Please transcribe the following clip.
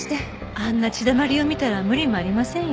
あんな血だまりを見たら無理もありませんよ。